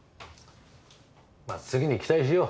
まあ次に期待しよう。